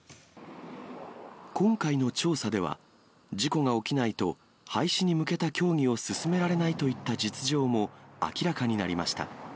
今回の調査では、事故が起きないと、廃止に向けた協議を進められないといった実情も明らかになりました。